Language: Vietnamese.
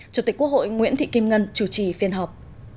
chủ tịch quốc hội nguyễn thị kim ngân chủ trì phiên họp